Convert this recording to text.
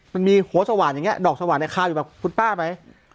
มันมีหัวสว่านอย่างนี้ดอกสว่างเนี่ยคาอยู่แบบคุณป้าไหม